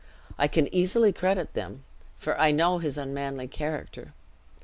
I can easily credit them, for I know his unmanly character.